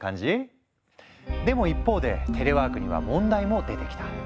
でも一方でテレワークには問題も出てきた。